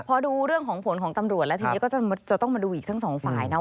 พอดูเรื่องของผลของตำรวจแล้วทีนี้ก็จะต้องมาดูอีกทั้งสองฝ่ายนะ